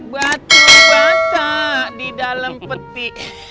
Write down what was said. batu basah di dalam peti